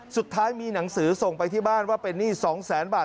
สุดท้ายมีหนังสือส่งไปที่บ้านว่าเป็นหนี้๒แสนบาท